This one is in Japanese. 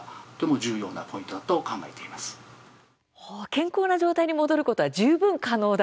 健康な状態に戻ることは十分可能だと。